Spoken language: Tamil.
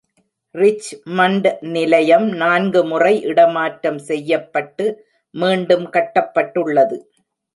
ரிச்மண்ட் நிலையம் நான்கு முறை இடமாற்றம் செய்யப்பட்டு மீண்டும் கட்டப்பட்டுள்ளது.